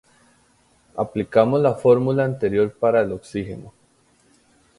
Aplicamos la fórmula anterior para el oxígeno.